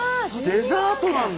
デザートなんだ。